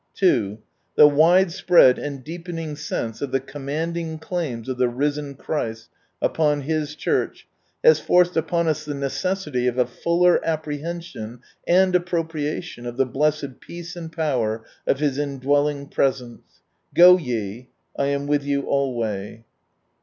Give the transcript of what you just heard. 2. The widespread and deepening sense of the commanding claims of the Risen Christ upon His Church has forced upon us the necessity of a fuller apprehension and appropriation of the blessed peace and powerof His indwelling presence, " Go ye — I am with you alway."